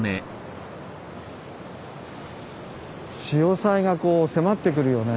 潮さいがこう迫ってくるよね。